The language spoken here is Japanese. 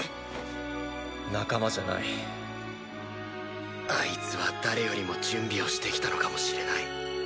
仲間じゃないあいつは誰よりも準備をしてきたのかもしれない。